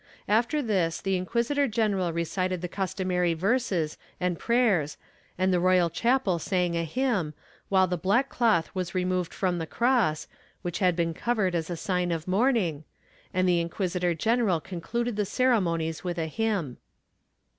After this the inquisitor general recited the customary verses and prayers and the royal chapel sang a hymn, while the black cloth was removed from the cross, which had been covered as a sign of mourning, and the inquisitor general concluded the solemnities with a hymn.